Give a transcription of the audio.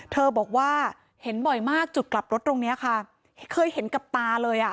เธอบอกว่าเห็นบ่อยมากจุดกลับรถตรงเนี้ยค่ะเคยเห็นกับตาเลยอ่ะ